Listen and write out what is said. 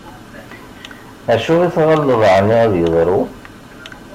Acu i t-ɣalleḍ aɛni ad yeḍṛu?